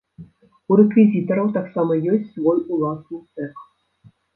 У рэквізітараў таксама ёсць свой уласны цэх.